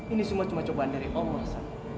ini semua cuma cobaan dari allah